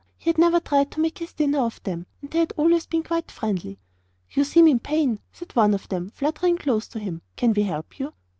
He had never tried to make his dinner off them, and they had always been quite friendly. 'You seem in pain,' said one of them, fluttering close to him, 'can we help you?